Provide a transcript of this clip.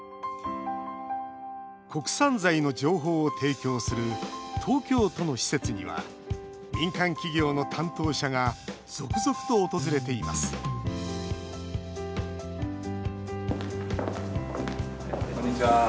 国産材の情報を提供する東京都の施設には民間企業の担当者が続々と訪れていますこんにちは。